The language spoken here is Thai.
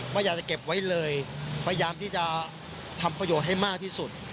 ไม่อยากจะเก็บไว้เลยพยายามที่จะทำประโยชน์ให้มากที่สุด